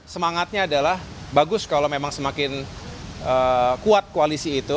semangatnya adalah bagus kalau memang semakin kuat koalisi itu